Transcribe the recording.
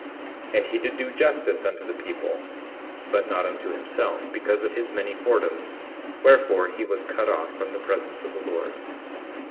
10:11 And he did do justice unto the people, but not unto himself because of his many whoredoms; wherefore he was cut off from the presence of the Lord.